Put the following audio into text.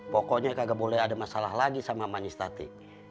pokoknya kagak boleh ada masalah lagi sama mama nistati